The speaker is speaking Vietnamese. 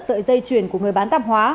sợi dây chuyển của người bán tạp hóa